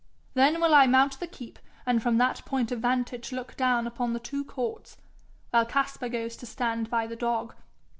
Then will I mount the keep, and from that point of vantage look down upon the two courts, while Caspar goes to stand by thy dog.